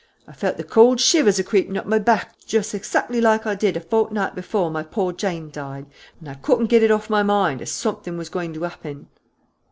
I felt the cold shivers a creepin' up my back just azackly like I did a fortnight before my pore Jane died, and I couldn't get it off my mind as somethink was goin' to happen."